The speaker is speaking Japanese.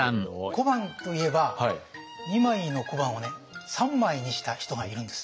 小判といえば２枚の小判をね３枚にした人がいるんです。